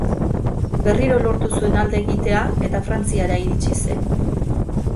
Berriro lortu zuen alde egitea eta Frantziara iritsi zen.